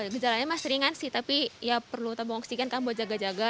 gejalanya masih ringan sih tapi ya perlu tabung oksigen kan buat jaga jaga